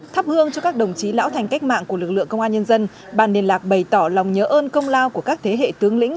thắp hương cho các đồng chí lão thành cách mạng của lực lượng công an nhân dân bàn liên lạc bày tỏ lòng nhớ ơn công lao của các thế hệ tướng lĩnh